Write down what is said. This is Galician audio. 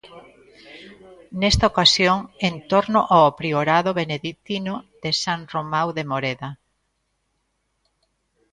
Nesta ocasión, en torno ao priorado beneditino de San Romao de Moreda.